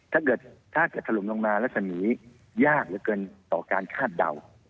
ถ้าเกิดถลุมลงมาลักษณีย์ยากเหลือเกินต่อการคาดเดา